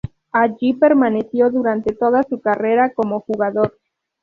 Allí permaneció durante toda su carrera como jugador.